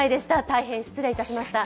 大変失礼いたしました。